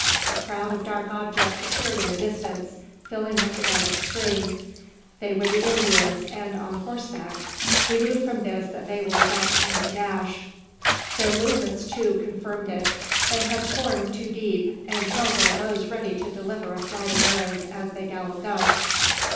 A crowd of dark objects appeared in the distance, filling up the bed of the stream. They were the Indians, and on horseback. We knew from this that they were about to make a dash. Their movements, too, confirmed it. They had formed two deep, and held their bows ready to deliver a flight of arrows as they galloped up.